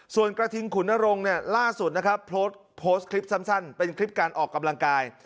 ส่วนกระทิงขุนรงค์ล่าสุดโพสต์คลิปซ้ำเป็นคลิปการออกกำลังกาย